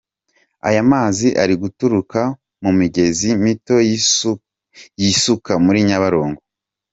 Aya mazi ari guturuka mu migezi mito yisuka muri Nyabarongo.